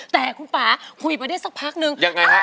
แต่คุณป๊าคุยไปได้สักพักนึง